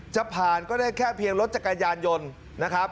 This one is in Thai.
จะผ่านก็ได้แค่เพียงรถจักรยานยนต์นะครับ